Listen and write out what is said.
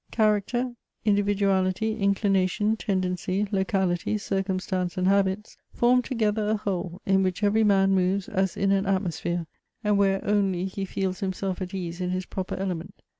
Character, individ Elective Affinities. 309 unlitj', inclination, tendency, locality, circumstance, and habits, form together a whole, in which every man moves as in an atmosphere, and where only he feels himself at ease in his proper element.